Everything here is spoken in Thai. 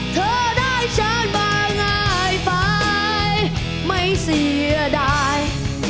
เธอได้เชิญมาง่ายไปไม่เสียดาย